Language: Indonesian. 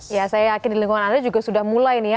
ya saya yakin di lingkungan anda juga sudah mulai nih ya